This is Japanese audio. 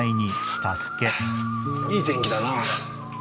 いい天気だな。